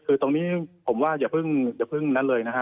คือตรงนี้ผมว่าอย่าพึ่งนั้นเลยนะฮะ